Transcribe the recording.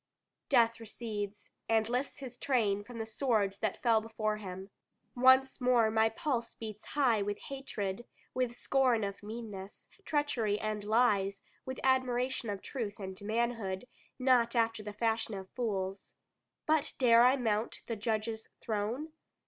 Death recedes, and lifts his train from the swords that fell before him. Once more my pulse beats high with hatred, with scorn of meanness, treachery, and lies, with admiration of truth and manhood, not after the fashion of fools. But dare I mount the Judge's throne?